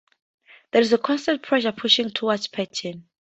There's a constant pressure, pushing toward pattern.